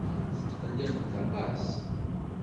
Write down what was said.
Tetqelliqemt aṭas.